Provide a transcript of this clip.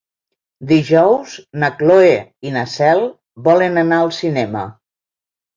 Dijous na Cloè i na Cel volen anar al cinema.